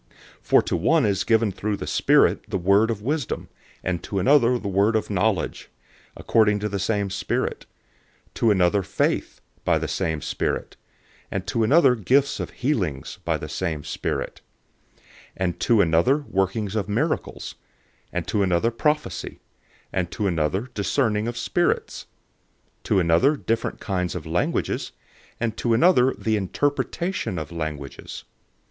012:008 For to one is given through the Spirit the word of wisdom, and to another the word of knowledge, according to the same Spirit; 012:009 to another faith, by the same Spirit; and to another gifts of healings, by the same Spirit; 012:010 and to another workings of miracles; and to another prophecy; and to another discerning of spirits; to another different kinds of languages; and to another the interpretation of languages.